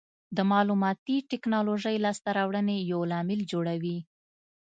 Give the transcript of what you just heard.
د معلوماتي ټکنالوژۍ لاسته راوړنې یو لامل جوړوي.